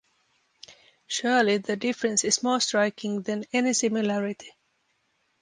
Surely the difference is more striking than any similarity.